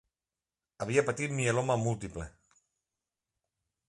Havia patit mieloma múltiple.